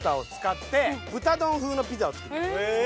へえ。